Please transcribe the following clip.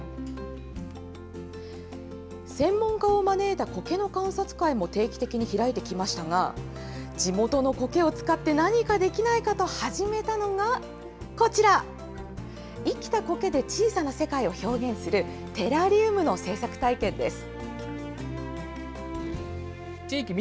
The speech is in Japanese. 専門家を招いたコケの観察会も定期的に開いてきましたが、地元のコケを使って何かできないかと始めたのが、こちら、生きたコケで小さな世界を表現する、テラリウムの制作体験です。